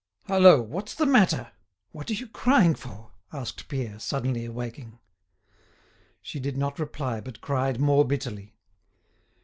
"Hallo! What's the matter? What are you crying for?" asked Pierre, suddenly awaking. She did not reply, but cried more bitterly.